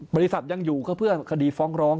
บริษัทยังอยู่ก็เพื่อคดีฟ้องร้อง